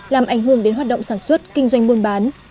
làm ảnh hưởng đến hoạt động sản xuất kinh doanh buôn bán